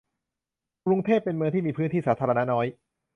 กรุงเทพเป็นเมืองที่มีพื้นที่สาธารณะน้อย